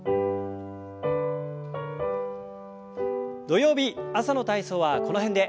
土曜日朝の体操はこの辺で。